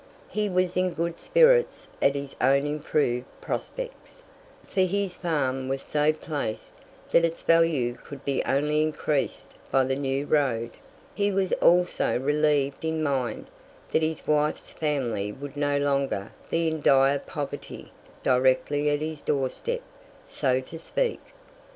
He was in good spirits at his own improved prospects, for his farm was so placed that its value could be only increased by the new road; he was also relieved in mind that his wife's family would no longer be in dire poverty directly at his doorstep, so to speak.